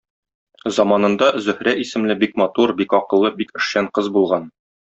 Заманында Зөһрә исемле бик матур, бик акыллы, бик эшчән кыз булган.